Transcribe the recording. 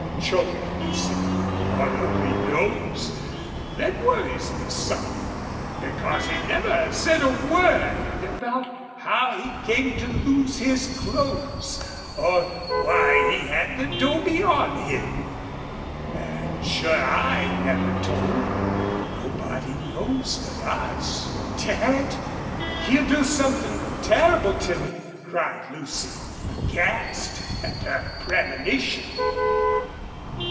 choked Lucy. "Lord only knows. Thet worries me some. Because he never said a word about how he come to lose his clothes or why he had the 'dobe on him. An' sure I never told. Nobody knows but us." "Dad, he'll do something terrible to me!" cried Lucy, aghast at her premonition.